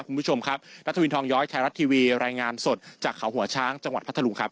คุณผู้ชมครับรัฐวินทองย้อยไทยรัฐทีวีรายงานสดจากเขาหัวช้างจังหวัดพัทธรุงครับ